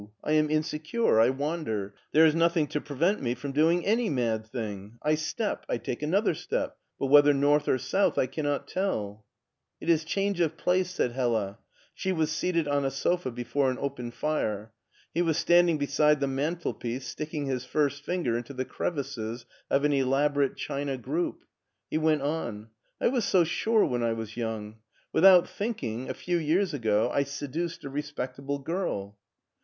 I am insecure. I wander. There is nothing to prevent me from doing any mad thing. I step. I take another step, but whether north or south I cannot tell." It is change of place," said Hella. She was seated on a sofa before an open fire. He was standing beside the mantelpiece, sticking his first finger into the crev ices of an elaborate china group. He went on :I was so sure when I was young. Without think ing, a few years ago, I seduced a respectable girl."